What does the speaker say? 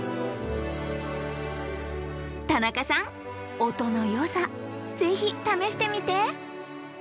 田中さん音のよさぜひ試してみて。